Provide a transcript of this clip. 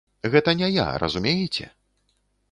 Гэта не я, разумееце?